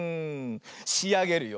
しあげるよ。